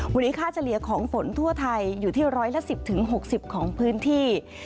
วันนี้ค่าเจรียร์ของฝนทั่วไทยอยู่ที่๑๑๐๖๐ของพื้นที่